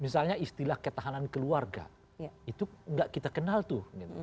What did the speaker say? misalnya istilah ketahanan keluarga itu nggak kita kenal tuh